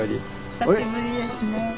久しぶりですね。